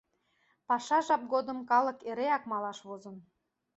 Паша жап годым калык эрак малаш возын.